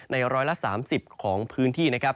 ใน๑๓๐ของพื้นที่